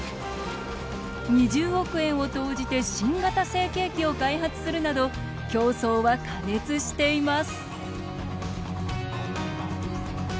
２０億円を投じて新型成型機を開発するなど競争は過熱しています